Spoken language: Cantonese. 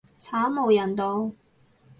慘無人道